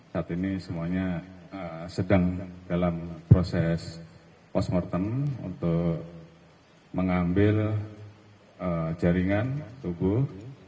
saat ini semuanya sedang dalam proses post mortem untuk mengambil jaringan tubuh